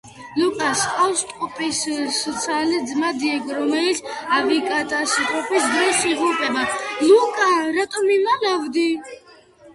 ლუკასს ჰყავს ტყუპისცალი ძმა დიეგო, რომელიც ავიაკატასტროფის დროს იღუპება.